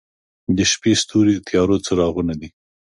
• د شپې ستوري د تیارو څراغونه دي.